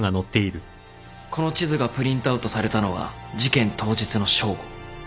この地図がプリントアウトされたのは事件当日の正午。